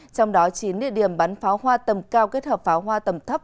trong đó chín địa điểm bắn pháo hoa tầm cao kết hợp pháo hoa tầm thấp